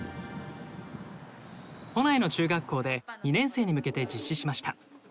都内の中学校で２年生に向けて実施しました。